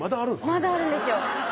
まだあるんですよ